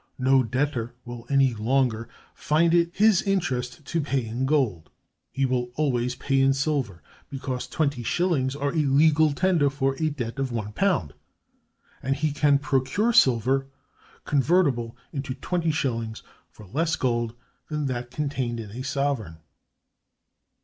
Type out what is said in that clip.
No debtor will any longer find it his interest to pay in gold. He will always pay in silver, because twenty shillings are a legal tender for a debt of one pound, and he can procure silver convertible into twenty shillings for less gold than that contained in a sovereign.